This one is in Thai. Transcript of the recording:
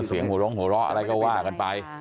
เสียงหัวร้องหัวเราะอะไรก็ว่ากันไป